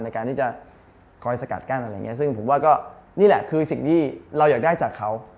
ในการที่จะคอยสกัดกั้นอะไรอย่างนี้ซึ่งผมว่าก็นี่แหละคือสิ่งที่เราอยากได้จากเขา